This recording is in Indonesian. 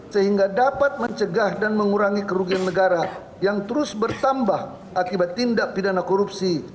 sehingga dapat mencegah dan mengurangi kerugian negara yang terus bertambah akibat tindak pidana korupsi